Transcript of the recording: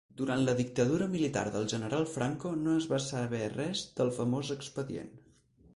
Durant la dictadura militar del general Franco no es va saber res del famós expedient.